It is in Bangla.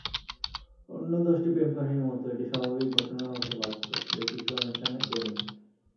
অন্য দশটি প্রেমকাহিনির মতো এটি স্বাভাবিক ঘটনা হতে পারত, ব্যতিক্রম এখানে প্রেমিক।